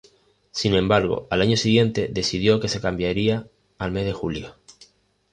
Sin embargo, al año siguiente, decidió que se cambiaría al mes de julio.